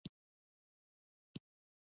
د تر پالونو په وسطه سایه جوړه وه.